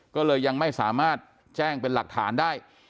ก็เลยยังไม่สามารถแจ้งเป็นหลักฐานได้